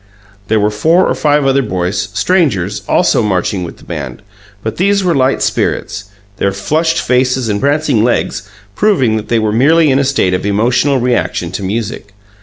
There were four or five other boys, strangers, also marching with the band, but these were light spirits, their flushed faces and prancing legs proving that they were merely in a state of emotional reaction to music.